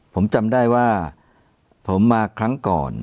ผมจำได้ว่าผมมาครั้งก่อน